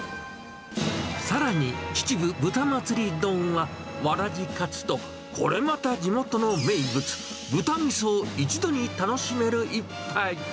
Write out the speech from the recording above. さらに、秩父ぶた祭り丼は、わらじかつとこれまた地元の名物、ブタみそを一度に楽しめる一杯。